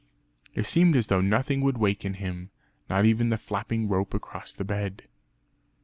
It seemed as though nothing would waken him not even the flapping rope across the bed.